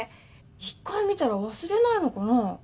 １回見たら忘れないのかな。